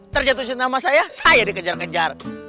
terjatuhin nama saya saya dikejar kejar